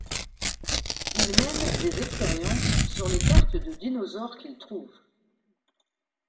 Ils mènent des expériences sur les cartes de dinosaures qu'ils trouvent.